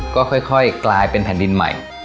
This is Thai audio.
ก็ค่อยกลายเป็นแผ่นดินใหม่